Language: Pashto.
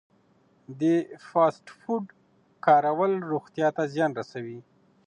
د فاسټ فوډ کارول روغتیا ته زیان رسوي.